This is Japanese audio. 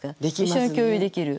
一緒に共有できる。ね。